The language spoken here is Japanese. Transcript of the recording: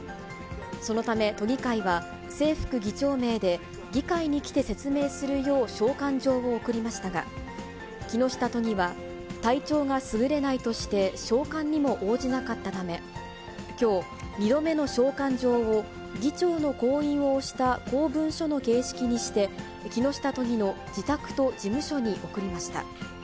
そのため、都議会は正副議長名で議会に来て説明するよう召喚状を送りましたが、木下都議は、体調がすぐれないとして召喚にも応じなかったため、きょう、２度目の召喚状を議長の公印を押した公文書の形式にして、木下都議の自宅と事務所に送りました。